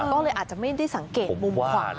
ก็เลยอาจจะไม่ได้สังเกตมุมขวา